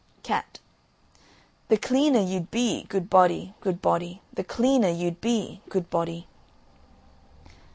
CAT. The cleaner you'd be, good body, good body, The cleaner you'd be, good body.